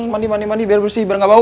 mandi mandi biar bersih biar ga bau